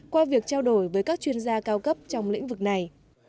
qua việc trao đổi với các chuyên gia cao cấp trong lĩnh vực này